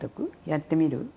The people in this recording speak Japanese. やってみる？